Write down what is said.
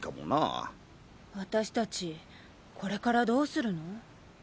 私たちこれからどうするの？